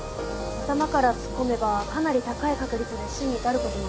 頭から突っ込めばかなり高い確率で死に至ることもありますし。